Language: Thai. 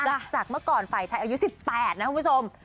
จากเมื่อก่อนฝ่ายชายอายุ๑๘นะคุณผู้ชม